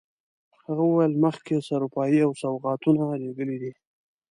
هغه وویل مخکې سروپايي او سوغاتونه لېږلي دي.